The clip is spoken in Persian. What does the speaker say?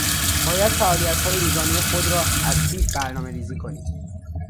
باید فعالیتهای روزانهی خود را از پیش برنامهریزی کنی.